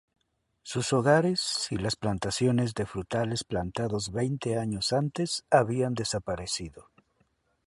Sus hogares y las plantaciones de frutales plantados veinte años antes habían desaparecido.